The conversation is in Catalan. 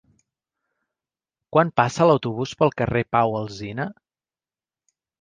Quan passa l'autobús pel carrer Pau Alsina?